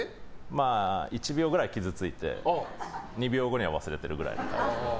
まあ１秒ぐらい傷ついて２秒後には忘れてるぐらいです。